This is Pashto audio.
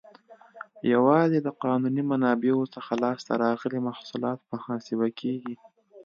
یوازې د قانوني منابعو څخه لاس ته راغلي محصولات محاسبه کیږي.